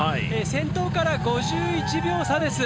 先頭から５１秒差です。